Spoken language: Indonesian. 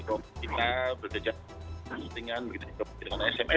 kalau kita berdejahtera kepentingan gitu